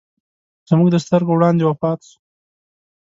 زموږ د سترګو وړاندې وفات سو.